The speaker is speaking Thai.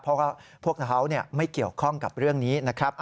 เพราะว่าพวกเขาไม่เกี่ยวข้องกับเรื่องนี้นะครับ